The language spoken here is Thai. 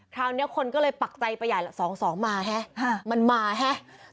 คราวนี้คนก็เลยปักใจประใหญ่ละ๒๒มาฮะมันมาฮะ